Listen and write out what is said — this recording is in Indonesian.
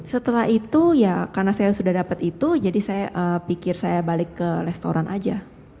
setelah itu ya karena saya sudah dapat itu jadi saya pikir saya balik ke restoran aja